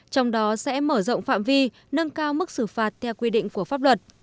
trong đó sẽ mở rộng phạm vi nâng cao mức xử phạt theo quy định của pháp luật